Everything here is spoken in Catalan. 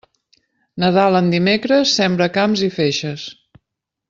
Nadal en dimecres, sembra camps i feixes.